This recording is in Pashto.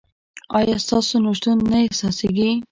ایا ستاسو نشتون نه احساسیږي؟